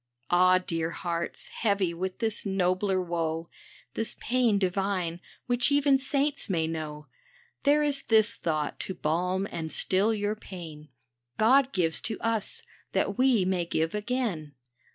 Ah ! dear hearts, heavy with this nobler woe, This pain divine, which even saints may know, There is this thought to balm and still your pain :" God gives to us that we may give again."